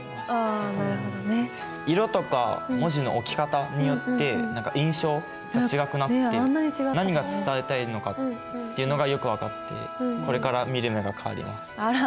あなるほどね。色とか文字の置き方によって何か印象が違くなって何が伝えたいのかっていうのがよく分かってこれから見る目が変わります。